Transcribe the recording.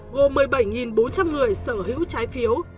gồm một mươi bảy bốn trăm linh người sở hữu trái phiếu